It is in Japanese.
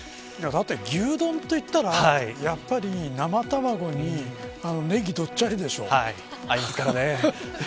だって牛丼といったらやっぱり生卵にネギどっちゃりでしょう。